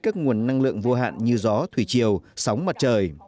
các nguồn năng lượng vô hạn như gió thủy chiều sóng mặt trời